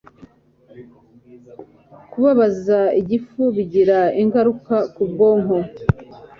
kubabaza igifu bigira ingaruka ku bwonko